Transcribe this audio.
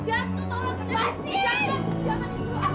jangan jangan jangan